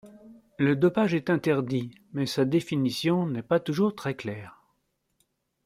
Le dopage est interdit, mais sa définition n'est pas toujours très claire.